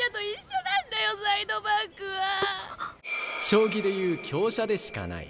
将棋で言う香車でしかない。